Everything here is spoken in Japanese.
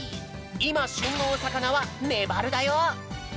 いましゅんのおさかなはめばるだよ！